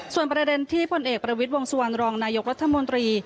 ส่วนประเด็นที่พลเอกประวิทย์วงสุวรรณรองนายกรัฐมนตรี